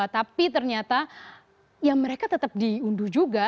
tapi ternyata ya mereka tetap diunduh juga